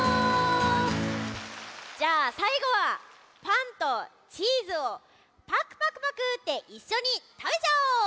じゃあさいごはパンとチーズをパクパクパクッていっしょにたべちゃおう！